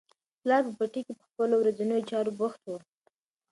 پلار په پټي کې په خپلو ورځنیو چارو بوخت و.